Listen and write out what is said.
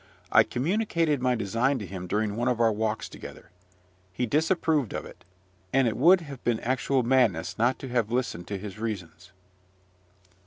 I communicated my design to him during one of our walks together. He disapproved of it, and it would have been actual madness not to have listened to his reasons.